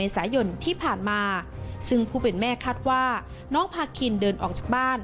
ได้เพื่อนแม่คัดว่าน้องภาคินเดินออกจากบ้าน